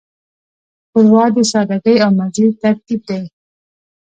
ښوروا د سادګۍ او مزې ترکیب دی.